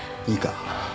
いいか。